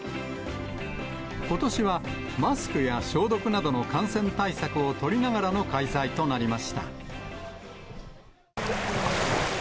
ことしはマスクや消毒などの感染対策を取りながらの開催となりました。